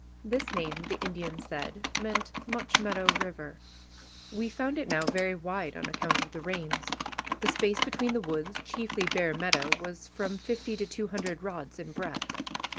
This name, the Indian said, meant Much Meadow River. We found it now very wide on account of the rains. The space between the woods, chiefly bare meadow, was from fifty to two hundred rods in breadth.